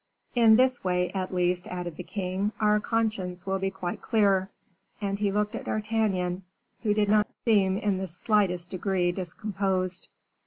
"In this way, at least," added the king, "our conscience will be quite clear." And he looked at D'Artagnan, who did not seem in the slightest degree discomposed.